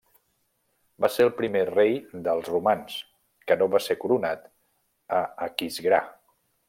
Va ser el primer rei dels romans que no va ser coronat a Aquisgrà.